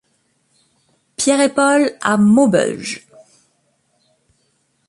Pierre et Paul à Maubeuge.